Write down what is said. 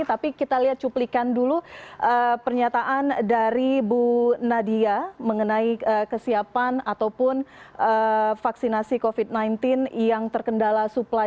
tapi kita lihat cuplikan dulu pernyataan dari bu nadia mengenai kesiapan ataupun vaksinasi covid sembilan belas yang terkendala supply